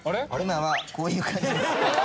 「今はこういう感じです」